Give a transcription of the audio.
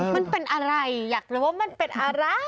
มันเป็นอะไรอยากรู้ว่ามันเป็นอะไร